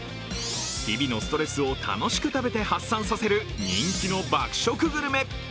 日々のストレスを楽しく食べて発散させる、人気の爆食グルメ。